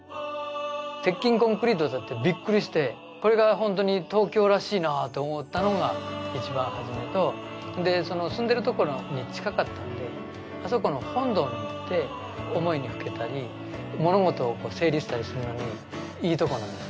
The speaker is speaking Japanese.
鉄筋コンクリートだってビックリしてこれが本当に東京らしいなと思ったのがいちばん初めと住んでるところに近かったんであそこの本堂に行って思いにふけたり物事を整理したりするのにいいとこなんです。